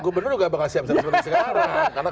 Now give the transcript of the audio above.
gubernur nggak bakal siap selesai sekarang